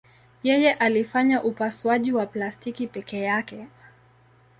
Yeye alifanya upasuaji wa plastiki peke yake.